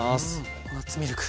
ココナツミルク。